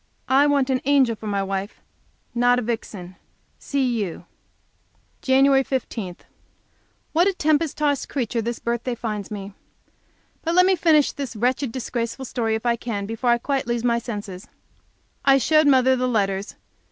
I want an angel for my wife, not a vixen. C. U." Jan. 15 What a tempest tossed creature this birthday finds me. But let me finish this wretched, disgraceful story, if I can, before I quite lose my senses. I showed my mother the letters.